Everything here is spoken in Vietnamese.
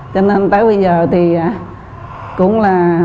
cho nên tới bây giờ thì cũng là